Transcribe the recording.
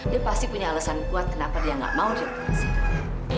dia pasti punya alasan buat kenapa dia nggak mau dioperasi